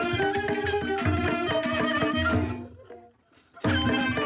แล้วเราจะไปหาทั้งค่ะ